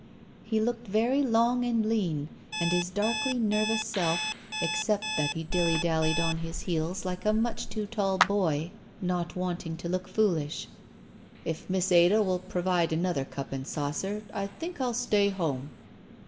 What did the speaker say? He looked very long and lean and his darkly nervous self, except that he dilly dallied on his heels like a much too tall boy not wanting to look foolish. "If Miss Ada will provide another cup and saucer, I think I'll stay home."